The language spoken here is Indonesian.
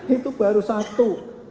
itu baru satu